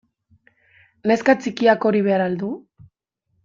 Neska txikiak hori behar al du?